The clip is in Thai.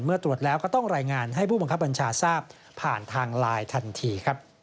ตรวจแล้วก็ต้องรายงานให้ผู้บังคับบัญชาทราบผ่านทางไลน์ทันที